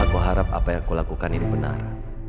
aku harap apa yang aku lakukan ini benar